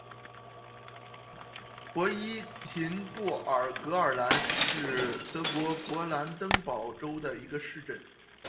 博伊岑布尔格尔兰是德国勃兰登堡州的一个市镇。